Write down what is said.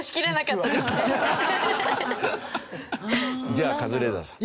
じゃあカズレーザーさん。